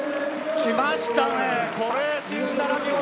きましたね。